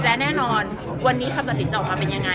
และแน่นอนวันนี้คำตัดสินจะออกมาเป็นยังไง